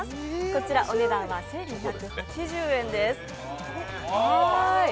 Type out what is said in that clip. こちら、お値段は１２８０円です。